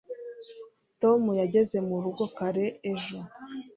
tom yageze murugo kare ejo